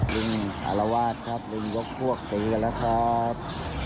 ลุงอารวาสครับลุงยกพวกตีกันแล้วครับ